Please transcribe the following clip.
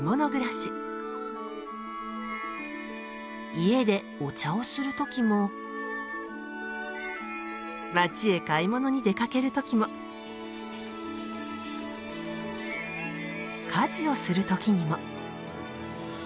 家でお茶をする時も街へ買い物に出かける時も家事をする時にも。